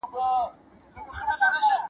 سل غلامه په خدمت کي سل مینځیاني-